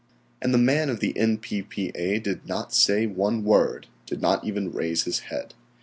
And the man of the N. P. P. A. did not say one word, did not even raise his head.